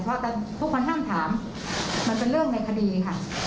เพราะว่าที่ทุกคนห้ามถามมันเป็นเรื่องในคดีค่ะ